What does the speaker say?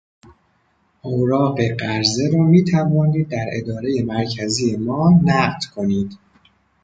اوراق قرضه را میتوانید در ادارهی مرکزی ما نقد کنید.